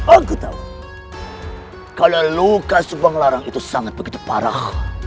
aku tahu kalau luka subanglarang itu sangat begitu parah